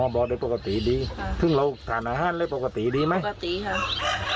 อ๋อบอกเด็กปกติดีถึงลูกสาหารห้านเร็วปกติดีไหมค่ะปกติ